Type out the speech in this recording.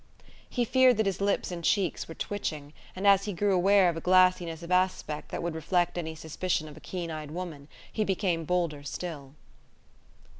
He feared that his lips and cheeks were twitching, and as he grew aware of a glassiness of aspect that would reflect any suspicion of a keen eyed woman, he became bolder still!